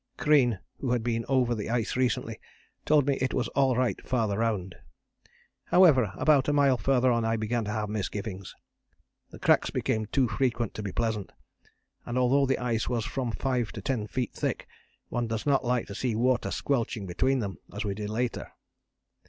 Crean, who had been over the ice recently, told me it was all right farther round. However, about a mile farther on I began to have misgivings; the cracks became too frequent to be pleasant, and although the ice was from five to ten feet thick, one does not like to see water squelching between them, as we did later.